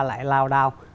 lại lao đao